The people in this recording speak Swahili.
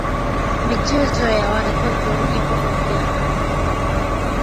Michezo ya watoto ipo ya aina mbalimbali